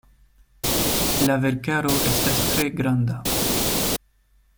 La verkaro estas tre granda.